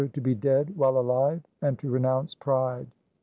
To be dead while alive and to renounce pride.